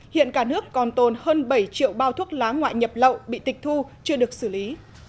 hiện cả nước còn tồn hơn bảy triệu bao thuốc lá ngoại nhập lậu bị tịch thu chưa được xử lý